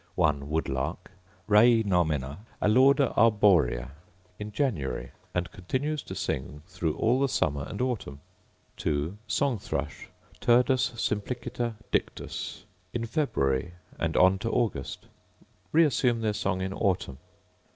1. Woodlark, Raii nomina: Alauda arborea: In January, and continues to sing through all the summer and autumn. 2. Song thrush, Turdus simpliciter dictus: In February and on to August, reassume their song in autumn.